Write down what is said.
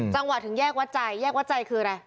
จังหวะถึงแยกวัดใจแยกวัดใจคืออะไร